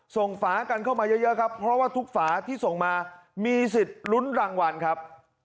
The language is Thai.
ฝากันเข้ามาเยอะครับเพราะว่าทุกฝาที่ส่งมามีสิทธิ์ลุ้นรางวัลครับ